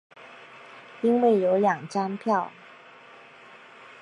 因为有两张票